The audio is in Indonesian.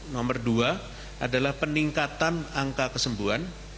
nomor dua adalah peningkatan angka kesembuhan